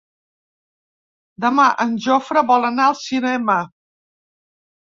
Demà en Jofre vol anar al cinema.